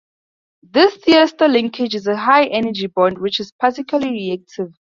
This thioester linkage is a "high energy" bond, which is particularly reactive.